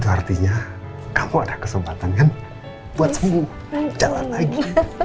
artinya kamu ada kesempatan kan buat sembuh jalan lagi